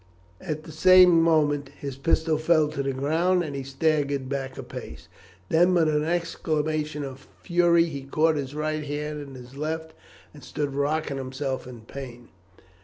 At the same moment his pistol fell to the ground, and he staggered back a pace. Then, with an exclamation of fury, he caught his right hand in his left, and stood rocking himself in pain.